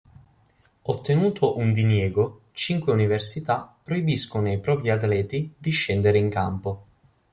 Ottenuto un diniego, cinque università proibiscono ai propri atleti di scendere in campo.